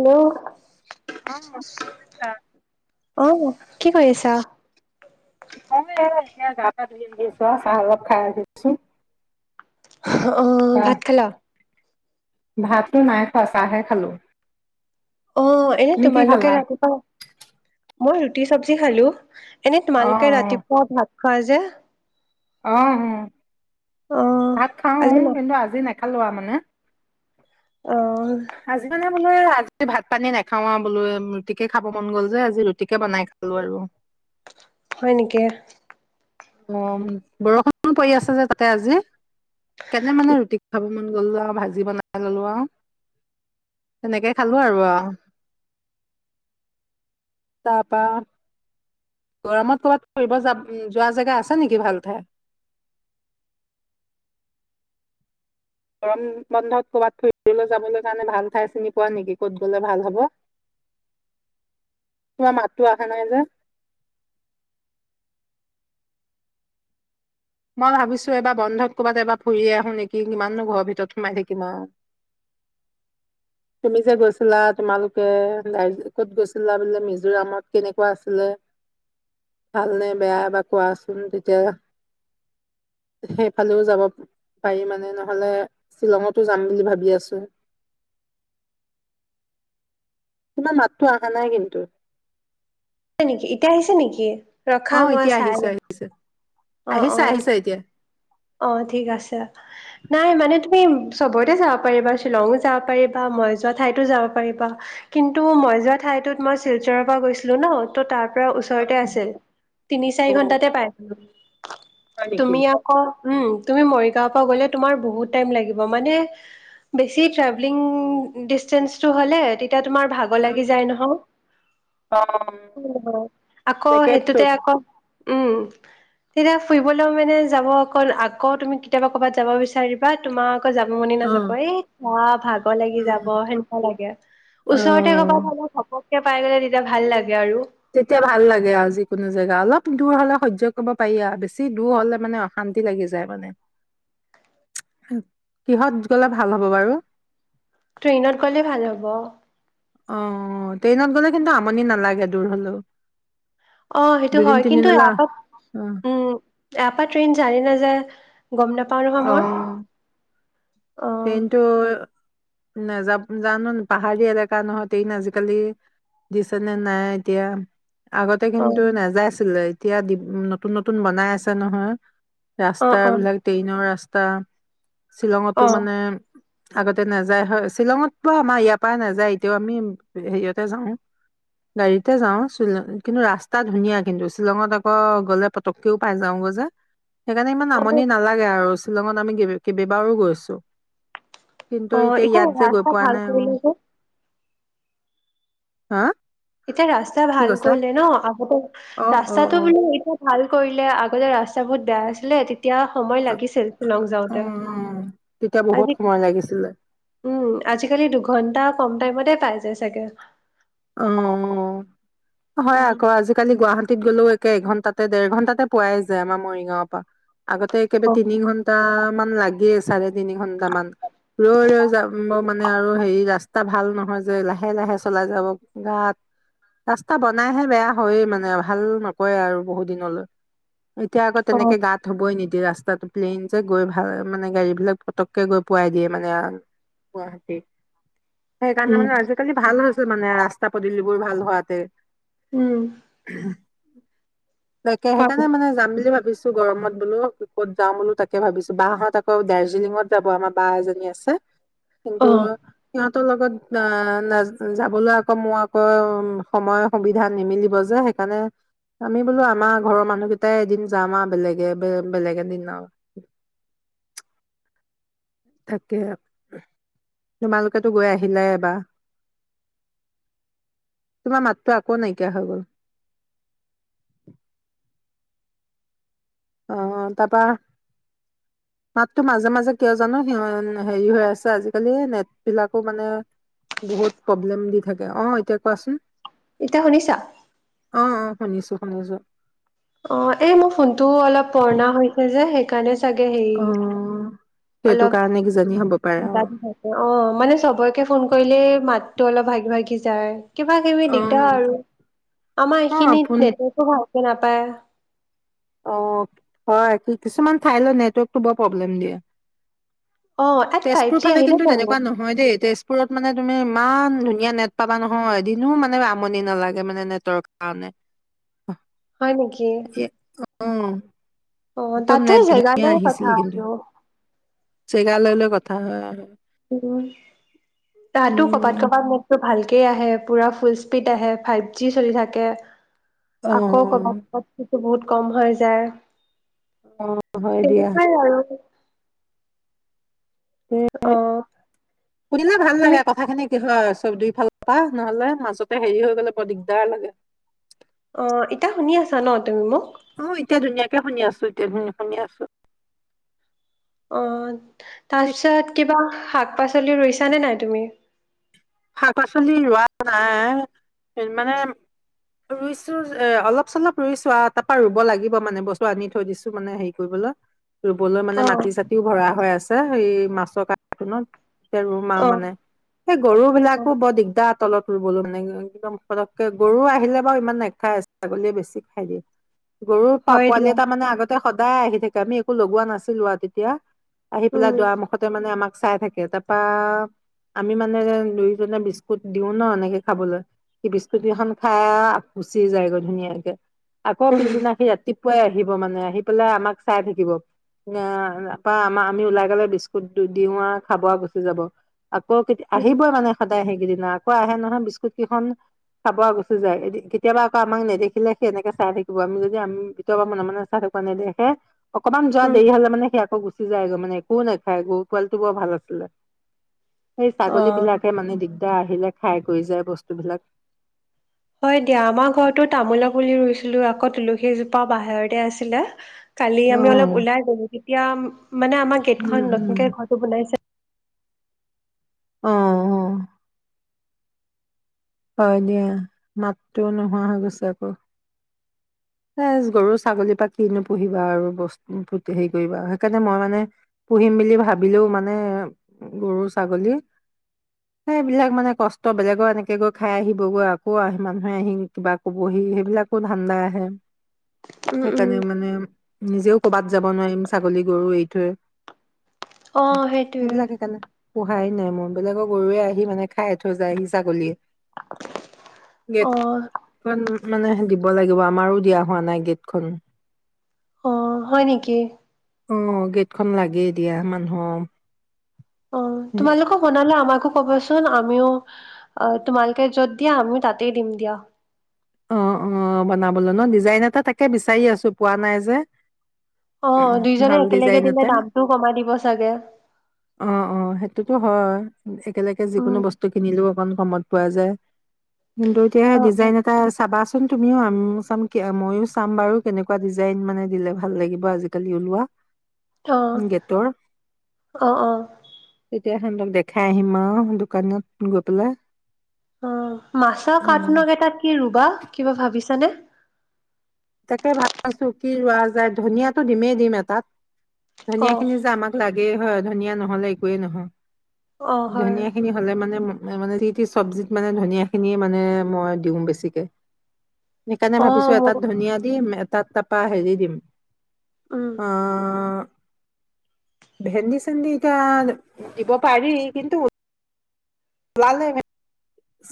Hello অ অহ কি কৰি আছা? [inaudible] মই এতিয়া গা পা ধুই, যাব গৈছো আ চাল খাইাই দিছো আহ ভাত খালা? ভাতটো নাই খোৱা, চাহহে খালোঁ। অ' এনে তোমালোকে ৰাতিপুৱা মই ৰুটি চবজি খালোঁ। এনেই অ অ তোমালোকে ৰাতিপুৱা ভাত খোৱা যে অ' উম। অ', ভাত খাও, আজি মা কিন্তু আজি নাখালো আৰু মানে। অ'। বোলো‌ আজি ভাত পানী নাখাও বোলো ৰুটিকে খাব মন গ'ল যে আজি ৰুটিকে বনাই খালো আৰু। হয় নেকি? অ' বৰষুণ পৰি আছে যে তাতে আজি, তেনে মানে ৰুটি খাব মন গ'ল, আৰু ভাজি বনাই ললো আৰু সেনেকে খালো আৰু ও তাৰপৰা। গৰমত ক'বাত ফুৰিব যা যোৱা জেগা আছে নেকি ভাল ঠাই? গৰম বন্ধত ক'ৰবাত ফুৰিবলৈ যাবলৈ কাৰণে ভাল ঠাই চিনি পোৱা নেকি, ক'ত গলে ভাল হব? তোমাৰ মাতটো অহা নাই যে মই ভাবিছো এবাৰ বন্ধত কৰবাত এবাৰ ফুৰি আহো নেকি কিমাননো ঘৰৰ ভিতৰত সোমাই থাকিম আৰু। তুমি যে গৈছিলা তোমালোকে দাৰ্জিলিংত কত গৈছিলা বোলে মিজোৰামত কেনেকুৱা আছিলে ভালনে বেয়া এবাৰ কোৱাচোন তেতিয়া। সেইফালেও যাব পাৰি মানে নহলে শ্বিলঙতো যাম বুলি ভাবি আছো। তোমাৰ মাতটো অহা নাই কিন্তু। নেকি এতিয়া আহিছে নেকি? ৰখা অ' মই এতিয়া চাই আহিছে লওঁ আহিছে, অ', আহিছে অ', আহিছে এতিয়া। সেই সবতে চাব পাৰিবা বা শ্বিলঙো যাব পাৰিবা মই যোৱা ঠাইতো যাব পাৰিবা কিন্তু মই যোৱা ঠাইতত মই শিলচৰৰ পৰা গৈছিলো ন ত' তাৰ তাৰ ওচৰতে আছে, অ তিনি অ চাৰি ঘন্টাতে পাইছিলো। হয় নেকি তুমি আকৌ উম তুমি মৰিগাঁও পৰা গ'লে তোমাৰ বহুত টাইম লাগিব মানে, বেছি ট্ৰেভেলিং ডিচেঞ্চটো হ'লে তেতিয়া তোমাৰ ভাগৰ লাগি যায় নহয় অ অ নহ আকৌ সেইটোতে জেকেটটোত আকৌ উম তেতিয়া ফুৰিবলৈও মানে যাব অ' আকৌ তুমি কেতিয়াবা ক'ৰবাত যাব বিচাৰিবা তোমাৰ ক যাব মনে অ নাযাব, এই যা ভাগৰ লাগি যাব সেনেকুৱা লাগে অ ওচৰতে কৰবাত তেতিয়া পাই গলে তেতিয়া ভাল লাগে আৰু। তেতিয়া ভাল লাগে আৰু যিকোনো জেগা অলপ দূৰ হলে হৈয্য কৰিব পাৰি আৰু বেছি দূৰ হলে মানে অশান্তি লাগি যায়। মানে কিহত গলে ভাল হব বাৰু? ট্ৰেইনত গ'লে ভাল হ'ব। অ' ট্ৰেইনত গলে কিন্তু আমনি নালাগে দূৰ হলেও। অ' সেইটো দুদিন হয় কিন্তু তিনিদিনলৈ এপ অ উম ইয়াৰ পৰা ট্ৰেইন যাই নে নাযায়। গম নাপাও নহয় মই। অ', অ', কিন্তু নাযাব জানো পাহাৰী এলেকা নহয় ন আজিকালি দিছে নে নাই এতিয়া। আগতে কিন্তু অ', নাযায় ছিলে এতিয়া নতুন নতুন বনাই আছে নহয় অ', ৰাস্তা অ', বিলাক ৰাস্তা অ', শ্বিলঙতো মানে আগতে নাযায় হয় শ্বিলঙত বা আমাৰ ইয়াৰ পৰা নাযায় এতিয়াও আমি হেৰিয়তে যাওঁ গাড়ীতে যাওঁ কিন্তু ৰাস্তা ধুনীয়া কিন্তু শ্বিলঙত আকৌ গলে পতককেও পাই যাওঁগৈ যে সেইকাৰণে ইমান অ'। আমনী আৰু শ্বিলঙত আমি কেই কেইবাবাৰো গৈছোঁ অ এতিয়া ৰাস্তা ভাল কৰিলে যে হা এতিয়া ৰাস্তা কি ভাল কৈছা কৰিলে ন আগতে অ অ অ ৰাস্তাতটো বোলে এতিয়া ভাল কৰিলে আগতে ৰাস্ত বহুত বেয়া আছিলে তে তেতিয়া সময় অ অ, লাগিছিল চিলং অ। যাওঁতে। তেতিয়া বহুত আজি সময় লাগিছিলে উম, আজিকালি দুঘন্টা কম টাইমতে পাই যায় চাগে। অহ' হয় উম। আকৌ, আজিকালি গুৱাহাটীত গ'লেও কে এঘন্টাতে, দেৰ ঘণ্টাতে পোৱাই যায় আমাৰ মৰিগাওঁৰ পৰা। আগতে একেবা অ', তিনি ঘণ্টা মানে লাগিয়ে চাৰে তিনি ঘন্টা মান ৰৈ ৰৈ যাব মানে আৰু হেৰি ৰাস্তা ভাল নহয় যে লাহে লাহে চলাই যাব গাত ৰাস্তা বনাইহে, বেয়া হয় মানে ভাল নকৰে আৰু বহুত দিনলৈ এতিয়া আকৌ অ', তেনেকে গাত হ'বই নিদিয়ে। ৰাস্তাটো প্লেইন যে গৈ ভাল মানে গাড়ী বিলাক পটককে গৈ পোৱাই দিয়ে মানে আহ গুৱাহাটী। সেইকাৰণে উম, মানে আজিকালি ভাল হৈছে। তোৰ মানে ৰা ৰাস্তা পদূলি বোৰৰ ভাল হোৱাতে উম। তাকে হয়, সেইকাৰণে মানে যাম বুলি ভাবিছো গৰমত বোলো ক'ত যাওঁ বোলো তাকে ভাবিছো, বা হঁত আকৌ দাৰ্জিলিঙত যাব আমাৰ বা এজনী আছে। কিন্তু অ', সিহঁত ত লগত না নাজ যাবলে ক মোৰ আক উম সময় সুবিধা নিমিলিব যে, সেইকাৰণে আমি বোলো আমাৰ ঘৰৰ মানুহ কেইটাই এদিন যাম আও বেলেগে বেলেগ এদিন আও। তাকে তোমালোকেতো গৈ আহিলাই এবাৰ, তোমাৰ মাতটো আকৌ নাইকিয়া হৈ গল। অ তাৰাপা মাততো মাজে মাজে কিয় জানো সিহ হেৰি হৈ আছে আজিকালি নেট বিলাকো মানে বহুত প্ৰব্লেম দি থাকে, অঁ এতিয়া কোৱাচোন এতিয়া শুনিছা? অঁ অঁ। শুনিছো শুনিছো। অ, এই মো ফোন টো অলপ পুৰণা হৈছে যে, সেই কাৰণে চাগে সেই। অ সেইটো কাৰণে কিজানি। হ'ব পাৰে অ [unintelligible] থাকে অ মানে চবকে ফোন কৰি খালি মাতটো অলপ ভাগি ভাগি যায়। কিবা কিবি অ দিগদাৰ আৰু আমাৰ অ এইখিনিত আপোন [unintelligible] [unintelligible] নাপায় অ হয় কি কিছুমান ঠাইলৈ নেটৱৰ্কটো বৰ প্ৰব্লেম দিয়ে অ ইয়াত ফাইভ তেজপুৰ জি ফালে আহিলে কিন্তু জানো তেনেকুৱা নহয় দেই তেজপুৰ ফোনত মানে তুমি ইমান ধুনীয়া নেট পাবা নহয় এদিনো মানে আমনি নালাগে মানে নেটৰ কাৰণে হয় নেকি উম অ তাতো জেগা ন কথা [unintelligible] কিন্তু জেগা লৈ লৈ কথা হয় আৰু উম তাহাতো কবাত উম কবাত নেটটো ভাল কে আহে পুৰা ফুল স্পীড আহে ফাইভ জি চলি থাকে অ আকৌ কব ক বহুত কম হৈ যায় অ হয় দিয়া তেনেকুৱাই আৰু অ [unintelligible] সুধিলে ভাল তুমি লাগে কথা খিনি কি হয় চব দুইফাল পা নহলে মাজতে হেৰি হৈ গলে বৰ দিগদাৰ লাগে অ এতিয়া শুনি আছা ন তুমি মোক অ এতিয়া ধুনীয়াকে শুনি আছো এতিয়া ধুন শুনি আছো অহ তি- তাৰপিছত কিবা শাক শাক পাচলি ৰুইছা নে নাই তুমি শাক পাচলি ৰোৱা নাই মানে ৰুইছো এ অলপ চলপ ৰুইছো আও তাপা ৰুব লাগিব মানে বস্তু আনি থৈ দিছো মানে হেৰি কৰিবলে ৰুবলৈ মানে অ মাটি চাটিও ভৰা হয় আছ আছে এই মাছৰ কাৰ্টুনত এতিয়া ৰুম আও অ মানে সেই গৰু অ বিলাকো বৰ দিগদাৰ তলত ৰুবলে মানে একদম পটককে গৰু আহিলে বাৰু ইমান নেখাই ছাগলীয়ে বেছি খাই দিয়ে গৰুৰ পা হয় পোৱালি দিয়া এটা মানে আগতে সদায় আহি থাকে আমি একো লগোৱা নাছিলো আ তেতিয়া। আহি পেলাই উম দুৱাৰ মূখতে মানে আমাক চাই থাকে। তাৰপা আমি মানে দুইজনে বিস্কুট দিও ন এনেকে খাবলৈ, সি বিস্কুট কেইখন খা আক গুচি যায়গৈ ধুনীয়াকে। আকো উম পিছদিনা সি ৰাতিপ পুৱাই আহিব মানে আহি পেলাই আমাক চাই থাকিব তাপা আমা আমি ওলাই গলে বিস্কুট দু দিও আৰ খাব আৰু গুচি যাব। আকৌ কেত আহিবই মানে। সেইকেইদিনা আকৌ আহে নহয় বিস্কুট কেইখন খাব আউ গুচি যায়। এদি কেতিয়াবা আকৌ আমাক নেদেখিলে সেই এনেকে চাই থাকিব আমি যদি আম ভিতৰৰ পা মনে মনে চাই থাকো নেদেখে অকমান যোৱা উম দেৰি হলে মানে আকো গুচ গুচি যায়গৈ মানে একো নেখায়, গৰু পোৱালি টো বৰ ভাল আছিলে। সেই অ ছাগলী বিলাক আহিলে খায় কই যায় বস্তু বিলাক। হয় দিয়া আমাৰ ঘৰতো তামোলৰ পুলি ৰুইছিলো আকো তুলসীজোপা বাহিৰতে আছিলে কালি আমি উম, অলপ ওলাই গলোগে এতিয়াআম মানে আমাৰ উম, গেটখন উম, নতুনকে ঘৰটো বনাই আছে। অ, অ। হয় দিয়া মাকটোও নোহোৱা হৈ গৈছে আকৌ। এ গৰু ছাগলীৰ পা কিনো পুহিবা আৰু বস ফূ হেৰি কৰিবা, সেইকাৰণে মই মানে পুহিম বুলি ভাবিলেও মানে গৰু ছাগলী সেইবিলাক মানে কষ্ট বেলেগৰ এনেকে গৈ খাই আহিবগৈ আকৌ আহ মানুহে আহি কিবা ক'বহি সেইবিলাকো ধান্দা আহে। উম উম সেইকাৰণে মানে নিজেও কৰবাত যাব নোৱাৰিম ছাগলী গৰু এৰি থৈ। অ সেইটোৱে। সেইবিলাক সেইকাৰণে পোহাই নাই মই বেলেগৰ গৰুৱে আহি মানে খাই থৈ যায় হি ছাগলীৱে। অ। খন মানে দিব লাগিব আমাৰো দিয়া হোৱা নাই গেটখন। অ হয় নেকি। উম, গেটখন লাগে দিয়া মানুহ। অ তোমালোকৰ বনালা আমাৰ কো কবাচোন আমিও অ তোমালোকে য'ত দিয়া আমিও তাতেই দিম দিয়া। অ, অ বনাবলৈ ন ডিজাইন এটা তাকে বিচাৰি আছো পোৱা নাই যে। অ দুইজনে ভাল একেলগে ডিজাইন দিলে এটা দামটোও কমাই দিব চাগে। অ অ সেইটোতো হয়। একেলগে যিকোনো উম বস্তু কিনিলো অকন কমত পোৱা যায়। কিন্তু এতিয়া অ ডিজাইন এট চাবাচোন তুমিও আমিও চাম মইয়ো চাম বাৰু কেনেকুৱা ডিজাইন মানে দিলে ভাল লাগিব আজিকালি ওলোৱা। অ', গেটৰ অ', অ'। তেতিয়া [unintelligible] দেখাই আহিম আৰু দোকানত গৈ পেলাই। অ', মাছৰ কাঠ উম নং এটাত কি ৰুবা? কিবা ভাবিছা? [unintelligible] তাকে, ভাবিছোঁ কি ৰোৱা যায়, ধনিয়াটো দিমেই দিম এটাত। অ ধনিয়াখিনি যে, আামাক লাগ [unintelligible] হয়, ধনিয়া নহ'লে একোয়েই নহয়। অ হয় ধনিয়াখিনি হ'লে মানে মানে [unintelligible] চব্জিত মানে ধনিয়াখিনিয়ে মানে মই দিওঁ বেছিকে। সেইকাৰণে অ ভাবিছোঁ এটাত মোৰ ধনিয়া দিম, এটাত তাপা হেৰি দিম। উম অ' ভেন্দি, চেন্দি এতিয়া দিব পাৰি, কিন্তু। ওলালে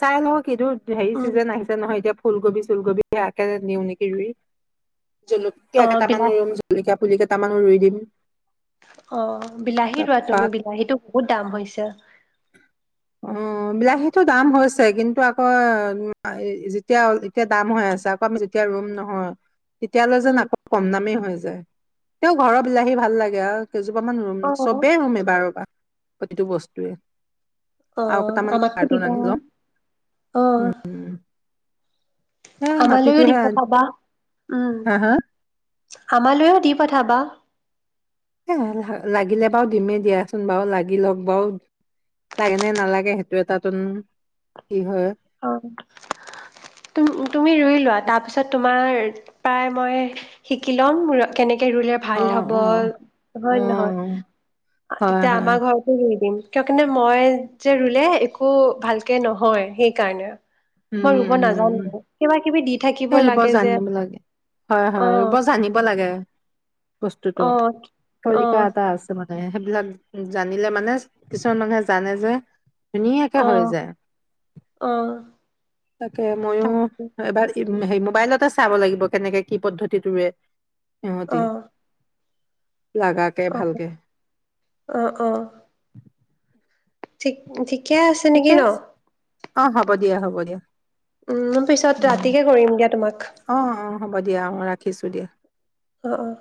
চাই লওঁ [unintelligible] হেৰি উম চিজন আহিছে নহয়, এতিয়া ফুলকবি চুলকবি তিয়াহ কে দিওঁ নেকি ৰুই, জলকীয়া অ কেইটামান বিলাহ ৰুম জলকীয়া, পুলি কেইটামানো ৰুই দিম। অ বিলাহী ৰোৱা তুমি তাৰপাত বিলাহীটো বহুত দাম হৈছে। উম বিলাহী, সেইটো দাম হৈছে কিন্তু আকৌ যেতিয়া এতিয়া দাম হৈ আছে আকৌ আমি যেতিয়া ৰুম নহয়। তেতিয়ালৈ যেন উম আকৌ কম দামেই হৈ যায়। তেওঁ ঘৰৰ বিলাহী ভাল লাগে আৰু কেইজোপা মান ৰুম অ চবেই ৰুম এবাৰ এবাৰ, প্ৰতিটো বস্তুৱে, অ আমাৰ, সেইটো ৰান্ধি লম উম উম, সে আমালৈও দি মাটিটোহে পঠাবা উম হা হা আমালৈও দি পঠাবা। [inaudible] এ লাগিলে বাৰু দিমেই দিয়াচোন বাৰু লাগি লওক বাৰু লাগে নে নালাগে সেইটো এটাচোন, অঁ তুম তুমি ৰুই লোৱা তাৰপিছত তুম তোমাৰ পৰাই মই শিকি ল'ম ৰ কেনেক কে ৰুলে অ ভাল হ'ব, অ হয় অ নে নহয়? হয় তেতিয়া হয় আমাৰ ঘৰটো ৰুই দিম। কিয় কাৰনে মই যে ৰুলে একো ভালকে নহয় সেই কাৰণে। উম মই ৰুব নাজানো, উম কিবা কিবি দি থাকিব সেই ৰুব লাগে যে জানিব লাগে হয়, অ হয়, ৰুব জানিব লাগে, বস্তুটো অ অ তৰিকা এটা আছে মান সেইবিলাক জানিলে মানে, কিছুমান মানুহে জানে যে ধুনীয়াকে অ হৈ যায়। অ তাকে, মইও তাকে এবাৰ সেই মোবাইলতে চাব লাগিব কেনেকে, কি পদ্ধতিত ৰোৱে। সিহঁতি অ লাগাকে অ ভালকে। অ অ ঠিক, ঠিক ঠিকেই আছে নিকি ঠিকে ন? আছে, অ', হ'ব দিয়া, হ'ব দিয়া। উম, মই পিছত উম ৰাতিকে কৰিম দিয়া তোমাক। অ', অ', হ'ব দিয়া অ', ৰাখিছোঁ দিয়া। অ', অ'।